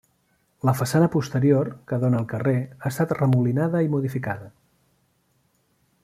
La façana posterior, que dóna al carrer, ha estat remolinada i modificada.